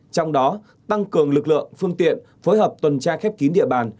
trong đó tăng cường lực lượng phương tiện phối hợp tuần tra khép kín địa bàn